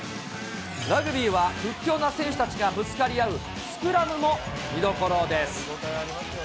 ラグビーは屈強な選手たちがぶつかり合うスクラムも見どころです。